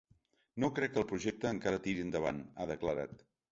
No crec que el projecte encara tiri endavant, ha declarat.